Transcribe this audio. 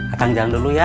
akang jalan dulu ya